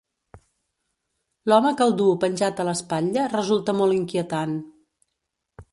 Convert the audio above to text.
L'home que el duu penjat a l'espatlla resulta molt inquietant.